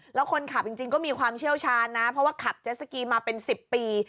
แล้วคนขับจริงก็มีความเชี่ยวชาญนะเพราะว่าขับเจสสกีมาเป็น๑๐ปี